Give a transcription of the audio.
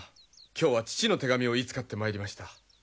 今日は父の手紙を言いつかってまいりました。